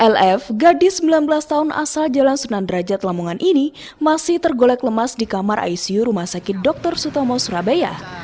lf gadis sembilan belas tahun asal jalan sunan derajat lamongan ini masih tergolek lemas di kamar icu rumah sakit dr sutomo surabaya